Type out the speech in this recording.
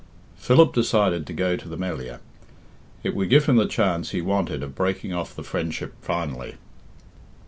Philip decided to go to the Melliah. It would give him the chance he wanted of breaking off the friendship finally.